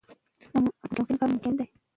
موږ باید د سرطان واکسین پراختیا چټکه کړو.